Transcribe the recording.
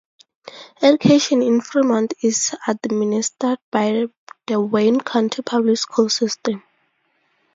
Education in Fremont is administered by the Wayne County Public School system.